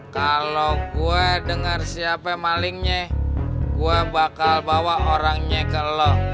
kalau gue dengar siapa malingnya gue bakal bawa orangnya ke lo